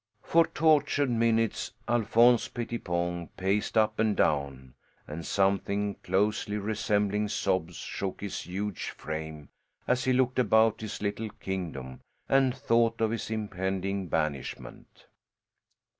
For tortured minutes Alphonse Pettipon paced up and down, and something closely resembling sobs shook his huge frame as he looked about his little kingdom and thought of his impending banishment.